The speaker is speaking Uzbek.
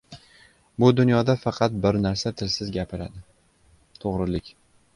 • Bu dunyoda faqat bir narsa tilsiz gapiradi — to‘g‘rilik.